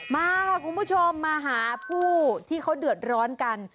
มาค่ะคุณผู้ชมมาหาผู้ที่เขาเดือดร้อนกัน